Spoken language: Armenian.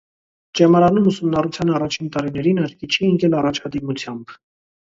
Ճեմարանում ուսումնառության առաջին տարիներին աչքի չի ընկել առաջադիմությամբ։